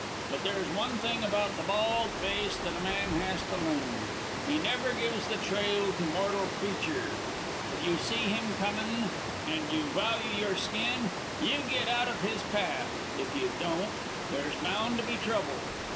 But there's one thing about the bald face that a man has to learn: he never gives the trail to mortal creature. If you see him comin', and you value your skin, you get out of his path. If you don't, there's bound to be trouble.